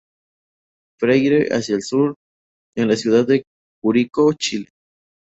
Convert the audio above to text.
Freire hacia el Sur, en la ciudad de Curicó, Chile.